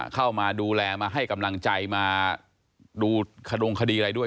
เข้ามาดูแลมาให้กำลังใจมาดูขดงคดีอะไรด้วย